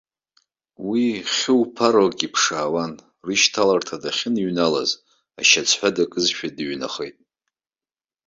Уи хьу ԥароу акы иԥшаауан, рышьҭаларҭа дахьыныҩналаз ашьацҳәа дакызшәа дыҩнахеит.